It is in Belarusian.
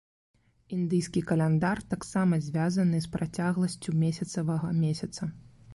Індыйскі каляндар таксама звязаны з працягласцю месяцавага месяца.